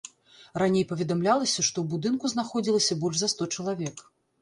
Раней паведамлялася, што ў будынку знаходзілася больш за сто чалавек.